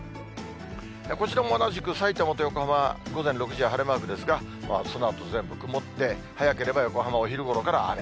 こちらも同じく、さいたまと横浜、午前６時は晴れマークですが、そのあと全部曇って、早ければ横浜、お昼ごろから雨。